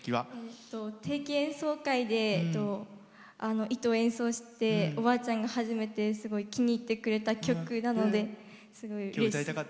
定期演奏会で「糸」を演奏しておばあちゃんが初めて気に入ってくれた曲なのですごいうれしい。